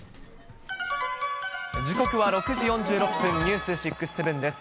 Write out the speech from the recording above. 時刻は６時４６分、ニュース６ー７です。